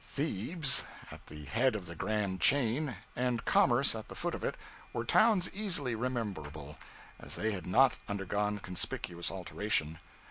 Thebes, at the head of the Grand Chain, and Commerce at the foot of it, were towns easily rememberable, as they had not undergone conspicuous alteration.